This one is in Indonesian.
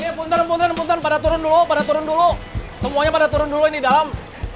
hai ya pun terbunuh dan pada turun dulu pada turun dulu semuanya pada turun dulu ini dalam